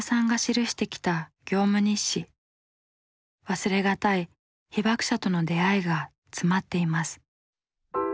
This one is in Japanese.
忘れがたい被爆者との出会いが詰まっています。